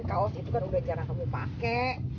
kaos itu kan udah jarang kamu pakai